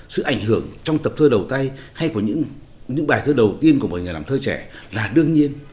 sự ảnh hưởng trong tập thơ đầu tay hay của những bài thơ đầu tiên của một người làm thơ trẻ là đương nhiên